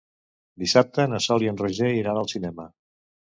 Dissabte na Sol i en Roger iran al cinema.